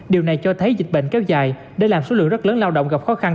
điều này cho thấy dịch bệnh kéo dài đã làm số lượng rất lớn lao động gặp khó khăn